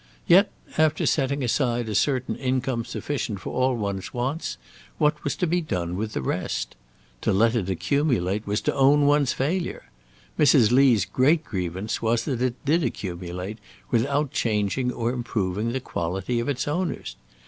Yet, after setting aside a certain income sufficient for all one's wants, what was to be done with the rest? To let it accumulate was to own one's failure; Mrs. Lee's great grievance was that it did accumulate, without changing or improving the quality of its owners.